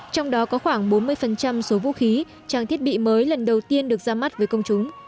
trong đó có khoảng bốn mươi số vũ khí trang thiết bị mới lần đầu tiên được ra mắt với công chúng